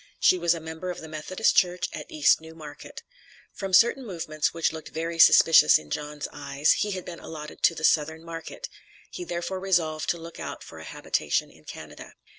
She was a member of the Methodist church at East New Market. From certain movements which looked very suspicious in John's eyes, he had been allotted to the Southern Market, he therefore resolved to look out for a habitation in Canada.